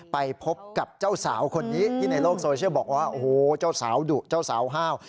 ไปพบกับเจ้าสาวคนนี้ที่ในโลกโซเชียลบอกว่าโอ้โหเจ้าสาวดุเจ้าสาวห้าว